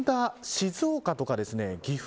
静岡とか岐阜